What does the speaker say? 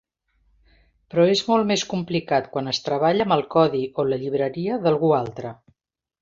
Però és molt més complicat quan es treballa amb el codi o la llibreria d'algú altre.